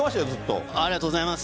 ありがとうございます。